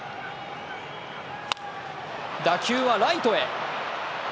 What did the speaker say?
打球はライトへ。